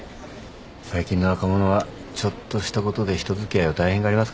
最近の若者はちょっとしたことで人付き合いを大変がりますからね。